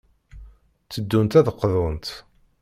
Tteddunt ad d-qḍunt.